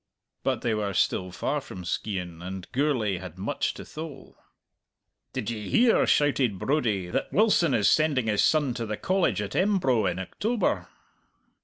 But they were still far from Skeighan, and Gourlay had much to thole. "Did ye hear," shouted Brodie, "that Wilson is sending his son to the College at Embro in October?"